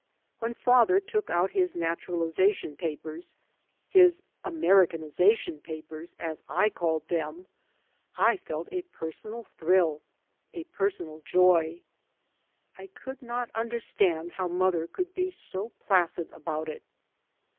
When father took out his naturalisation papers — his 3 by Google MY MOTHER AND I " Americanisation papers," as I called them — I felt a personal thrill, a personal joy. I could not understand how mother could be so placid about it.